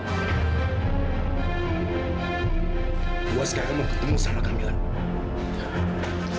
gua sekarang mau ketemu sama kamilah